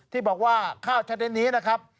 ที่บอกว่าข้าวชนิดนี้นะครับ